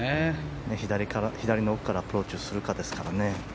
左の奥からアプローチをするかですかね。